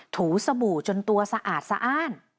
ถูสบู่จนตัวสะอาดสะอ้าน